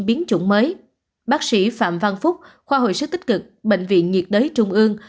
bác sĩ phạm văn phúc khoa hội sức tích cực bệnh viện nhiệt đới trung ương